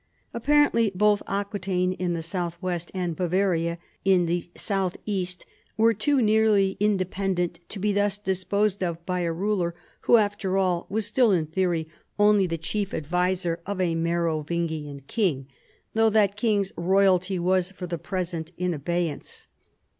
Ap parently both Aquitaine in the south west, and Ba varia in the south east were too nearly independent to be thus disposed of by a ruler who, after all, was still, in theory only the chief adviser of a Merovin 04 CHARLEMAGNE. gian king, though that king's royalty was for the present in abeyance.